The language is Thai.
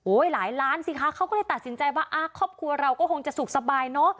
หลายล้านสิคะเขาก็เลยตัดสินใจว่าครอบครัวเราก็คงจะสุขสบายเนอะ